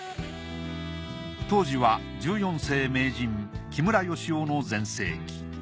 当時は１４世名人木村義雄の全盛期。